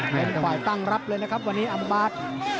เป็นฝ่ายตั้งรับเลยนะครับวันนี้อัมบาส